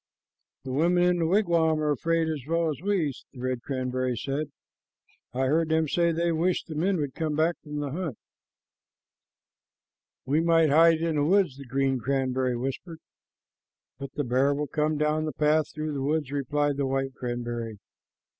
"The women in the wigwam are afraid as well as we," the red cranberry said. "I heard them say they wished the men would come back from the hunt." "We might hide in the woods," the green cranberry whispered. "But the bear will come down the path through the woods," replied the white cranberry.